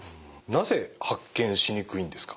なぜ発見しにくいんですか？